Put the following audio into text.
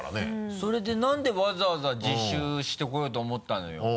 それで何でわざわざ自首してこようと思ったのよ？